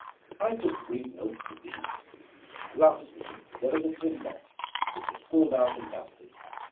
I took brief notes of these. Lastly, there was a tin box, which was pulled out and dusted.